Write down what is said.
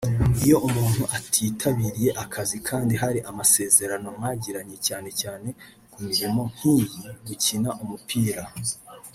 iyo umuntu atitabiriye akazi kandi hari amasezerano mwagiranye cyane cyane ku mirimo nk’iyi (Gukina umupira)